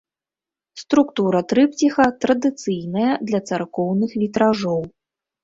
Структура трыпціха традыцыйная для царкоўных вітражоў.